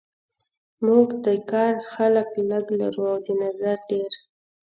موږ د کار خلک لږ لرو او د نظر ډیر